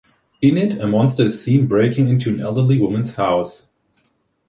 In it, a monster is seen breaking into an elderly woman's house.